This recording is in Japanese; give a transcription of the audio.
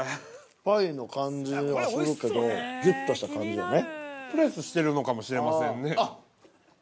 パイの感じはするけどぎゅっとした感じよね。